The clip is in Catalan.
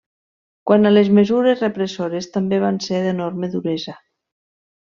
Quant a les mesures repressores també van ser d'enorme duresa.